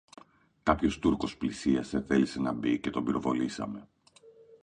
Κάποιος Τούρκος πλησίασε, θέλησε να μπει, και τον πυροβολήσαμε